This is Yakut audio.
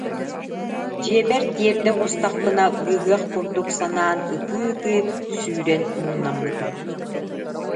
Дьиэбэр тиэрдэ оҕустахпына быыһыах курдук санаан ытыы-ытыы сүүрэн муҥнаммытым